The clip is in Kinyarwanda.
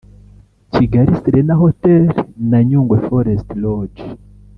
Kigali Serena Hotel na Nyungwe Forest Lodge